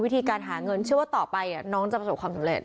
หาเงินเชื่อว่าต่อไปน้องจะประสบความสำเร็จ